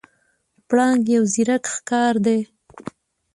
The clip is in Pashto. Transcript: پړانګ یو زیرک ښکاری دی.